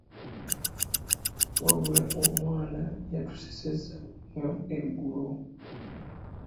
Wabula omwana yatusesezza nnyo eggulo.